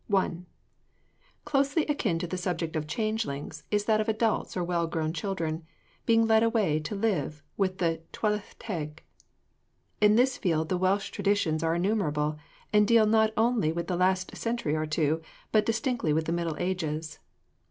I. Closely akin to the subject of changelings is that of adults or well grown children being led away to live with the Tylwyth Teg. In this field the Welsh traditions are innumerable, and deal not only with the last century or two, but distinctly with the middle ages.